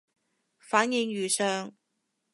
反應如上